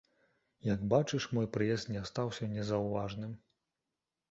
Як бачыш, мой прыезд не астаўся незаўважаным.